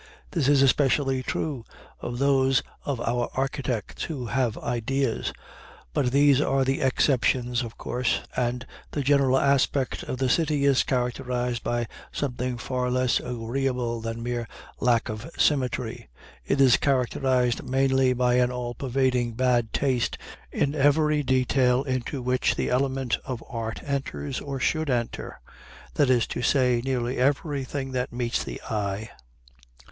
This is especially true of those of our architects who have ideas. But these are the exceptions, of course, and the general aspect of the city is characterized by something far less agreeable than mere lack of symmetry; it is characterized mainly by an all pervading bad taste in every detail into which the element of art enters or should enter that is to say, nearly everything that meets the eye.